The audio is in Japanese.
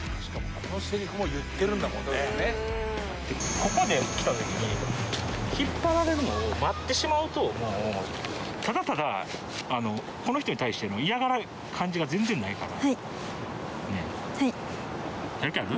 ここで来た時に引っ張られるのを待ってしまうとただただこの人に対しての嫌がる感じが全然ないからはいねえはいやる気ある？